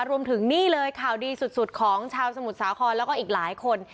รวมถึงนี่เลยข่าวดีสุดของชาวสมุทรสาครแล้วก็อีกหลายคน